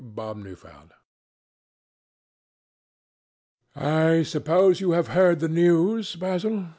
CHAPTER VI. "I suppose you have heard the news, Basil?"